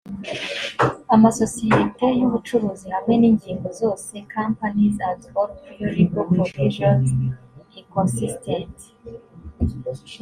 amasosiyete y ubucuruzi hamwe n ingingo zose companies and all prior legal provisions inconsistent